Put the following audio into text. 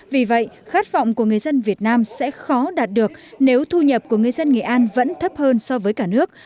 vì vậy khát vọng của người dân việt nam sẽ khó đạt được nếu thu nhập của người dân nghệ an vẫn thấp hơn so với cả nước